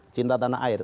cinta tanah air